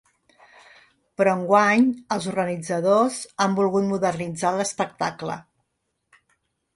Però enguany els organitzadors han volgut modernitzar l’espectacle.